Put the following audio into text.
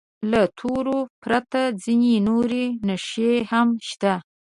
له تورو پرته ځینې نورې نښې هم شته.